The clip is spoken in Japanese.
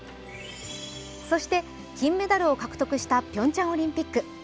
そして金メダルを獲得したピョンチャンオリンピック。